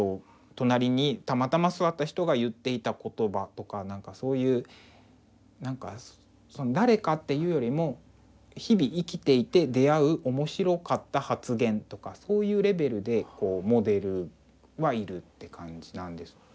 隣にたまたま座った人が言っていた言葉とかそういうなんか誰かっていうよりも日々生きていて出会う面白かった発言とかそういうレベルでモデルはいるって感じなんです。